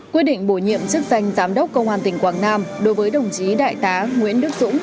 quyết định bổ nhiệm chức danh giám đốc công an tỉnh quảng nam đối với đồng chí đại tá nguyễn đức dũng